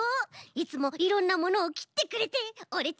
いつもいろんなものをきってくれてオレっ